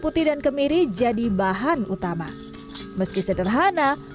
putih dan kemiri jadi bahan utama meskipun mi dalamnya datar belanjut di sini ada wanas